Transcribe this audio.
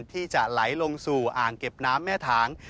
ที่จะไหลลงสู่อ่างเก็บน้ำแม่ถาง